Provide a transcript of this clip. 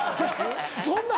そんなん？